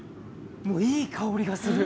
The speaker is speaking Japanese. いい香りがする！